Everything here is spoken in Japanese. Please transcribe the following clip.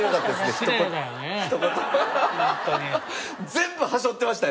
全部はしょってましたね。